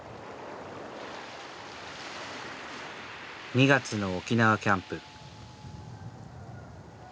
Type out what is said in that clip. ２月の沖縄キャンプ。